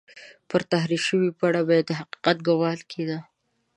پر تحریف شوې بڼه به یې د حقیقت ګومان کېده.